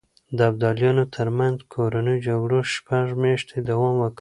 د ابداليانو ترمنځ کورنيو جګړو شپږ مياشتې دوام وکړ.